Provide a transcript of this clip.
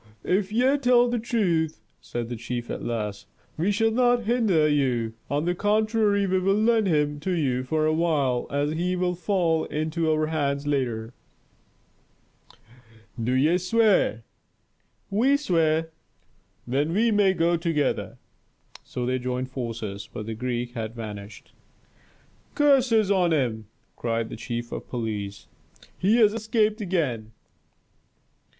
"If ye tell the truth," said the chief at last, "we shall not hinder you. On the contrary, we will lend him to you for a while, as he will fall into our hands later." "Do ye swear?" "We swear." "Then we may go together." So they joined forces, but the Greek had vanished. "Curses on him!" cried the chief of police. "He has escaped again!"